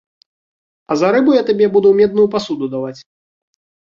А за рыбу я табе буду медную пасуду даваць.